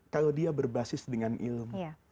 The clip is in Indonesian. kalau dia berbasis dengan ilmu